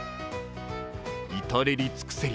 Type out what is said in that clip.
至れり尽くせり。